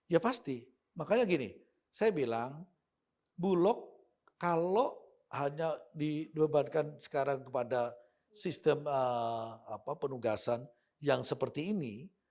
ya pasti makanya gini saya bilang bulog kalau hanya dibebankan sekarang kepada sistem penugasan yang seperti ini